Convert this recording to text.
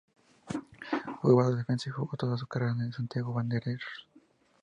Jugaba de defensa y jugó toda su carrera en el Santiago Wanderers.